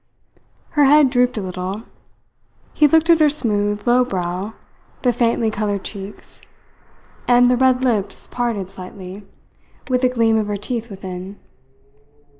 Her head drooped a little. He looked at her smooth, low brow, the faintly coloured cheeks, and the red lips parted slightly, with the gleam of her teeth within.